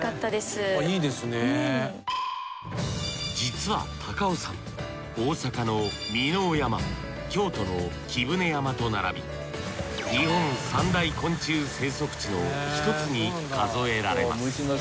実は高尾山大阪の箕面山京都の貴船山と並び日本三大昆虫生息地の一つに数えられます。